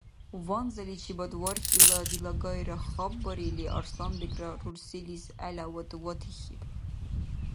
Ванзаличибад варгьила дилагайра хапбарили, Арсланбегра рурсилис гӀелавад ватихьиб.